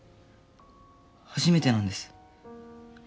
初めてなんです